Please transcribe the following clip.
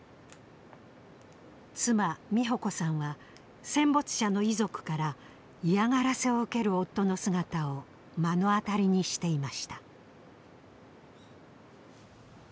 妻美保子さんは戦没者の遺族から嫌がらせを受ける夫の姿を目の当たりにしていました。